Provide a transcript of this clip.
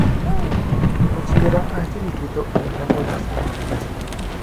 Se considera a este distrito en el rango de extrema pobreza.